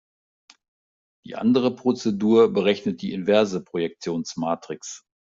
Die andere Prozedur berechnet die inverse Projektionsmatrix.